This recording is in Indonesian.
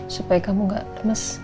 supaya kamu gak lemes